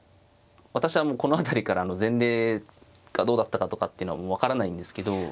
私はもうこの辺りから前例がどうだったかとかっていうのはもう分からないんですけど。